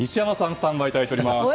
スタンバイいただいております。